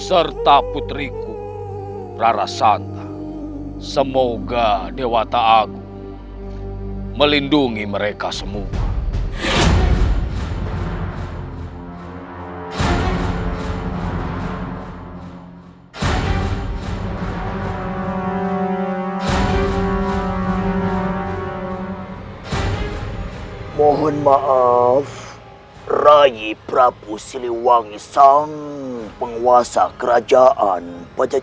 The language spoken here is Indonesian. sebagai gantinya aku akan makan buah manusia jelek